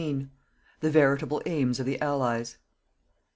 THE VERITABLE AIMS OF THE ALLIES.